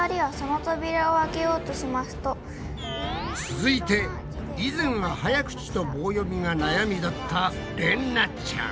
続いて以前ははや口と棒読みが悩みだったれんなちゃん。